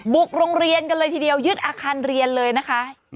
บุกโรงเรียนกันเลยทีเดียวยึดอาคารเรียนเลยนะคะ